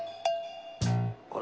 あれ？